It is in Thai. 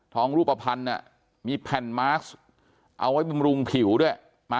รูปภัณฑ์มีแผ่นมาร์คเอาไว้บำรุงผิวด้วย